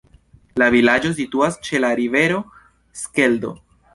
La vilaĝo situas ĉe la rivero Skeldo.